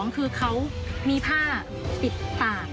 ๒เขามีผ้าปิดต่าน